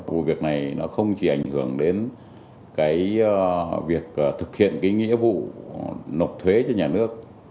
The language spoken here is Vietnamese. vụ việc này nó không chỉ ảnh hưởng đến cái việc thực hiện cái nghĩa vụ nộp thuế cho nhà nước